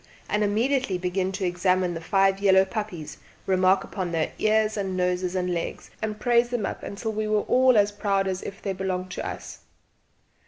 and immediately begin to examine the five yellow puppies, remark upon their ears and noses and legs, and praise them up until we were all as proud as if they had belonged to us.